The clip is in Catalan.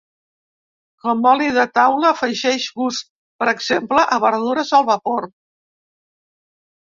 Com oli de taula afegeix gust, per exemple a verdures al vapor.